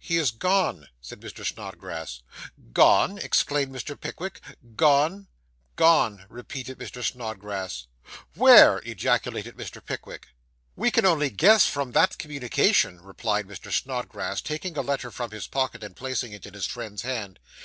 'He is gone,' said Mr. Snodgrass. 'Gone!' exclaimed Mr. Pickwick. 'Gone!' 'Gone,' repeated Mr. Snodgrass. 'Where!' ejaculated Mr. Pickwick. 'We can only guess, from that communication,' replied Mr. Snodgrass, taking a letter from his pocket, and placing it in his friend's hand.